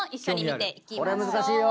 これ難しいよ。